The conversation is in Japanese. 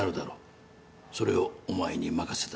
それをお前に任せたい。